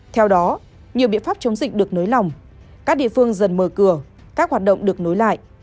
theo đó nhiều biện pháp chống dịch được nới lỏng các địa phương dần mở cửa các hoạt động được nối lại